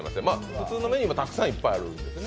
普通のメニューもたくさんいっぱいあるんですよね？